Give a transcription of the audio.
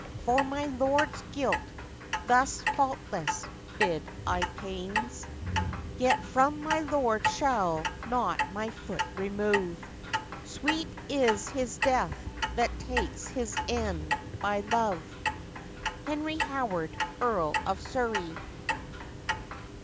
For my lord's guilt, thus faultless, bide I pains: Yet from my lord shall not my foot remove; Sweet is his death that takes his end by love! Henry Howard, Earl of Surrey.